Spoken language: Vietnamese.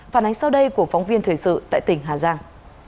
phản ánh sau đây của phóng viên thời sự tại tỉnh hà giang